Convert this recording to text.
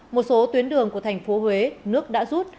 một số tuyến đường của thành phố huế nước đã rút